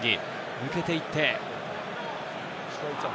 抜けていって。